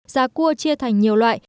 giá cua chia thành nhiều loại